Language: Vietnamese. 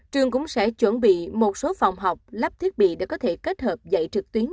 trường cũng sẽ chuẩn bị một số phòng học lắp thiết bị để có thể kết hợp dạy trực tuyến